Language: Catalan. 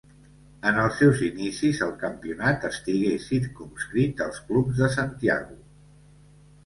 En els seus inicis el campionat estigué circumscrit als clubs de Santiago.